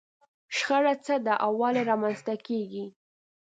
شخړه څه ده او ولې رامنځته کېږي؟